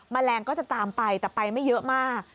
แมลงก็จะตามไปแต่ไปไม่เยอะมาก